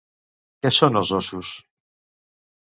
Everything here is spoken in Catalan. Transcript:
Què són els Ossos?